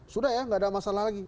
sudah ya nggak ada masalah lagi